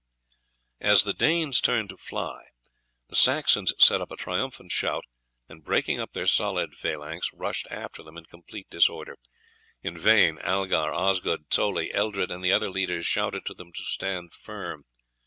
As the Danes turned to fly the Saxons set up a triumphant shout, and breaking up their solid phalanx rushed after them in complete disorder. In vain Algar, Osgot, Toley, Eldred, and the other leaders shouted to them to stand firm.